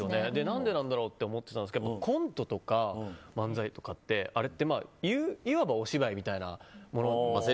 何でなんだろうって思ってたんですけどコントとか漫才ってあれっていわばお芝居みたいなもので。